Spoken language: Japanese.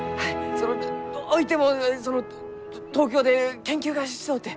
そのどういてもその東京で研究がしとうて。